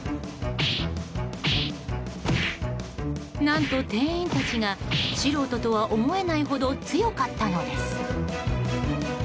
何と店員たちが素人とは思えないほど強かったのです。